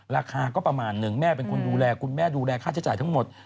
ราคาก็ประมาณหนึ่งแม่เป็นคนดูแลคุณแม่ดูแลค่าใช้จ่ายทั้งหมด